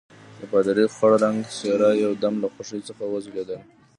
د پادري خړ رنګه څېره یو دم له خوښۍ څخه وځلېدله.